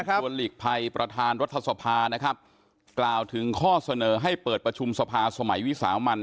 ชวนหลีกภัยประธานรัฐสภานะครับกล่าวถึงข้อเสนอให้เปิดประชุมสภาสมัยวิสามัน